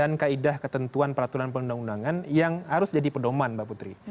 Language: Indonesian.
dan kaedah ketentuan peraturan perundang undangan yang harus jadi pendoman mbak putri